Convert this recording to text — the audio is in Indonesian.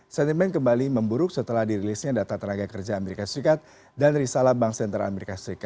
sentimen kembali memburuk setelah dirilisnya data tenaga kerja as dan risalah bank sentra as